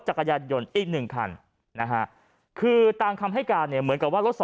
จักรยานยนต์อีก๑คันนะฮะคือตามคำให้การเนี่ยเหมือนกับว่ารถ